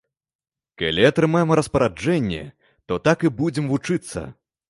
Калі атрымаем распараджэнне, то так і будзем вучыцца.